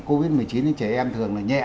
covid một mươi chín những trẻ em thường là nhẹ